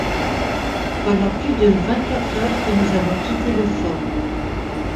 voilà plus de vingt-quatre heures que nous avons quitté le fort.